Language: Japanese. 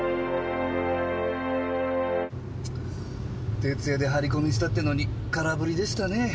徹夜で張り込みしたってのに空振りでしたね。